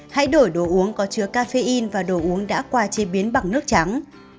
hãy đổi đồ uống có chứa cafein và đồ uống đã qua chế biến bằng nước trắng